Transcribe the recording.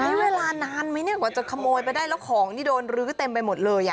ใช้เวลานานไหมเนี่ยกว่าจะขโมยไปได้แล้วของนี่โดนรื้อเต็มไปหมดเลยอ่ะ